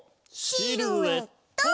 シルエット！